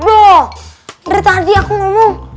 dari tadi aku ngomong